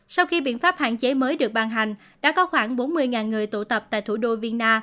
sau khi biện pháp hạn chế mới được ban hành đã có khoảng bốn mươi người tụ tập tại thủ đô vina